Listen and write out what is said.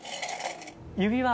指輪。